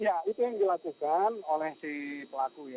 ya itu yang dilakukan oleh si pelaku ya